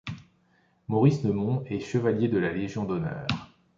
Maurice Neumont est chevalier de la Légion d'honneur.